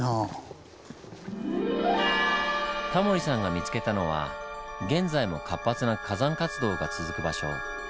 タモリさんが見つけたのは現在も活発な火山活動が続く場所。